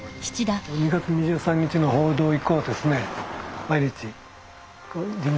２月２３日の報道以降ですね